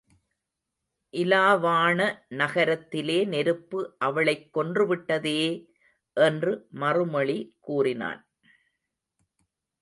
இலாவாண நகரத்திலே நெருப்பு அவளைக் கொன்றுவிட்டதே? என்று மறுமொழி கூறினான்.